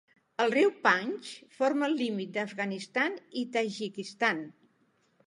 El riu Panj forma el límit de Afganistan i Tajikistan.